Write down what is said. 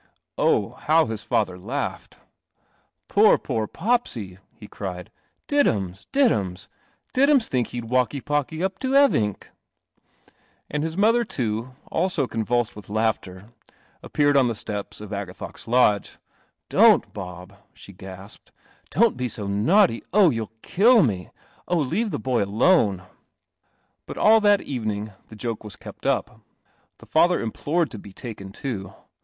Oh, how his father laughed! "Poor, poor P pseyl' he cried. "Diddums! D .: urn I Diddums think he'd walky palky up I Ev vinkl' And his mother, al i nvulsed with laughter, appeared on the steps oi Vgath Lodge. >4 I)' n't, B >1 '" he gasped. M Don't be so naughty !( >h, j i m'll kill me ! Oh, leave the boy alone! But all that evening the joke was kept up. The rather implored to be taken to. .